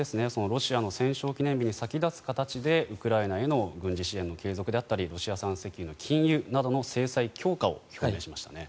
ロシアの戦勝記念日に先立つ形でウクライナへの軍事支援の継続であったりロシア産石油の禁輸などの制裁強化を表明しました。